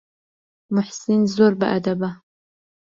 موحسین زۆر بەئەدەبە.